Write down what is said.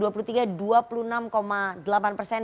terus di maret dua ribu dua puluh tiga dua puluh enam delapan persen